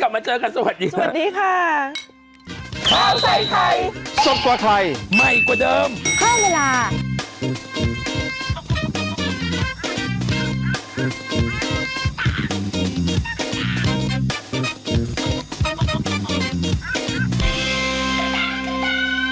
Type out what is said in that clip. ก่อนมาให้เราใช้ด้วยไปไปแล้วนะปุ๊ปกิ๊กกลับมาเจอกันสวัสดีค่ะสวัสดีค่ะ